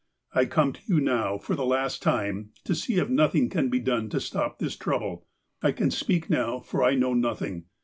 I come to you now, for the last time, to see if nothing can be done to stop this trouble. I can speak now, for I know nothing.